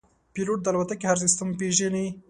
پیلوټ د الوتکې هر سیستم پېژني.